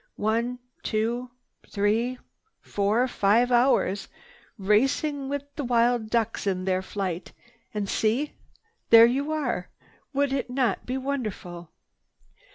One, two, three, four, five hours racing with the wild ducks in their flight, and see! there you are! Would it not be wonderful?"